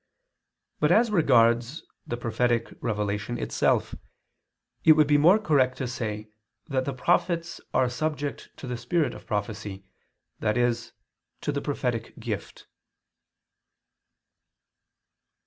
But as regards the prophetic revelation itself, it would be more correct to say that the prophets are subject to the spirit of prophecy, i.e. to the prophetic gift.